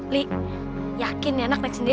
li yakin ini enak naik sendiri